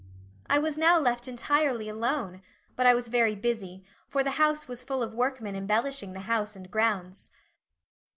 I was now left entirely alone, but I was very busy, for the house was full of workmen embellishing the house and grounds.